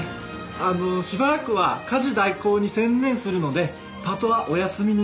あの「しばらくは家事代行に専念するのでパートはお休みになります」と。